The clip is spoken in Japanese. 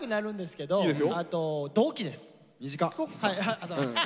ありがとうございます。